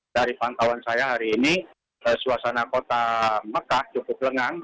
dari pantauan saya hari ini suasana kota mekah cukup lengang